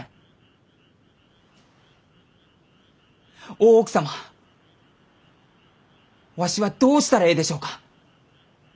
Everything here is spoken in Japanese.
大奥様わしはどうしたらえいでしょうか？